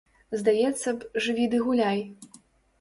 Здаецца б, жыві ды гуляй.